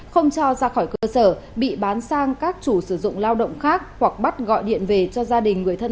không cho ra khỏi cơ sở bị bán sang các chủ sử dụng lao động khác hoặc bắt gọi điện về cho gia đình người thân